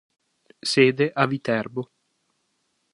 Sede a Viterbo.